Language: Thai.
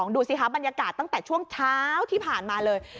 ดูสิคะบรรยากาศตั้งแต่ช่วงเช้าที่ผ่านมาเลย